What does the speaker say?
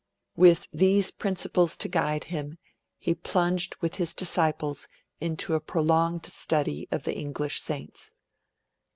With these principles to guide him, he plunged with his disciples into a prolonged study of the English Saints.